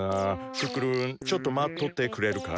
クックルンちょっと待っとってくれるかい？